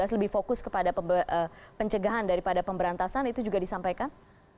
lebih fokus kepada pencegahan daripada pemberantasan itu juga disampaikan